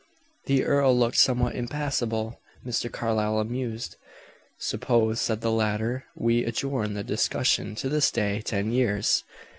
The earl looked somewhat impassable, Mr. Carlyle amused. "Suppose," said the latter, "we adjourn the discussion to this day ten years?"